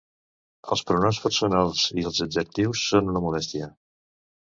Els pronoms personals i els adjectius són una molèstia.